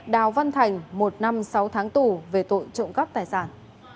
đào văn thành một năm sáu tháng tù về tội trộm cắp tài sản